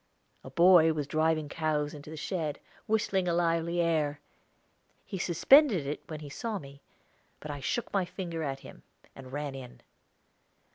A boy was driving cows into the shed, whistling a lively air; he suspended it when he saw me, but I shook my finger at him, and ran in.